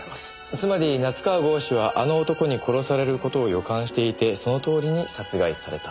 つまり夏河郷士は「あの男」に殺される事を予感していてそのとおりに殺害された。